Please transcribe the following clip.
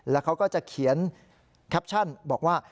แล้วเขาก็จะเขียนแคปชั่นบอกว่า